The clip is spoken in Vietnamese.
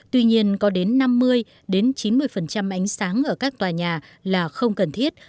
tuy nhiên có đến năm mươi chín mươi ánh sáng ở các tòa nhà là không cần thiết